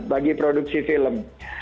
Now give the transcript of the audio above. bagi produksi film